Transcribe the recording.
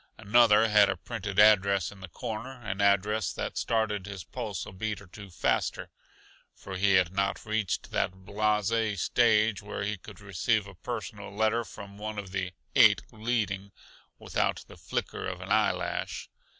Another had a printed address in the corner an address that started his pulse a beat or two faster; for he had not yet reached that blase stage where he could receive a personal letter from one of the "Eight Leading" without the flicker of an eye lash.